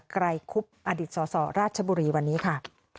ไกรคุบอดีตสสราชบุรีวันนี้ค่ะ